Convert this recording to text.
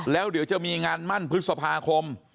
แล้วเดี๋ยวจะมีงานมั่นพฤษภาคม